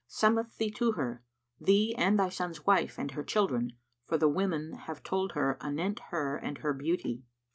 summoneth thee to her, thee and thy son's wife and her children; for the women have told her anent her and her beauty."